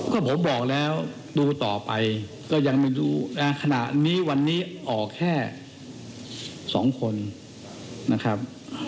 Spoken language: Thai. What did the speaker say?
ก็ผมบอกแล้วดูต่อไปก็ยังไม่รู้นะขณะนี้วันนี้ออกแค่๒คนนะครับ